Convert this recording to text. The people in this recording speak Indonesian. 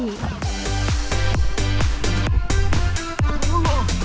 kita pakai bantuan toraja